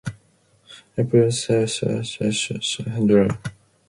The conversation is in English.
Employees share multiple roles with a check-in staff doubling as a baggage handler.